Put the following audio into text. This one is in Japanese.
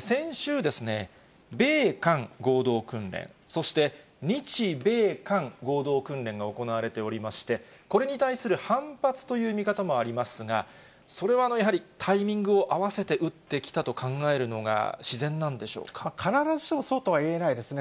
先週、米韓合同訓練、そして日米韓合同訓練が行われておりまして、これに対する反発という見方もありますが、それはやはりタイミングを合わせて撃ってきたと考えるのが自然な必ずしも、そうとはいえないですね。